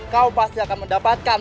kau pasti akan mendapatkan